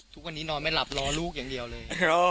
ทุกวันนี้นอนไม่หลับรอลูกอย่างเดียวเลย